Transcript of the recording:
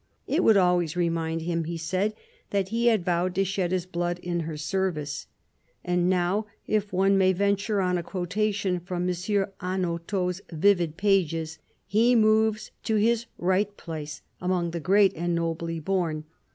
It would always remind him, he said, that he had vowed to shed his blood in her service. And now — if one may venture on a quotation from M. Hanotaux' vivid pages —" he moves to his right place, among the great and nobly born.